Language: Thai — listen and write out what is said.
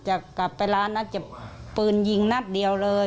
จะกลับไปร้านนัดจะปืนยิงนัดเดียวเลย